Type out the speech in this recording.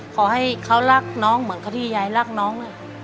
ขอให้เขารักน้องเหมือนกับที่ยายรักน้อง